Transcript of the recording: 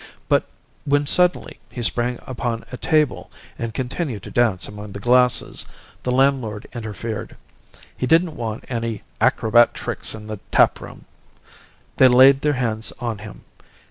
But when suddenly he sprang upon a table and continued to dance among the glasses, the landlord interfered. He didn't want any 'acrobat tricks in the taproom.' They laid their hands on him.